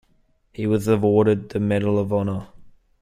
He was awarded the Medal of Honor.